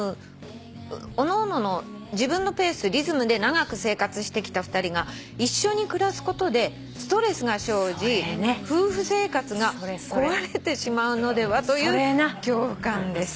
「おのおのの自分のペースリズムで長く生活してきた２人が一緒に暮らすことでストレスが生じ夫婦生活が壊れてしまうのではという恐怖感です」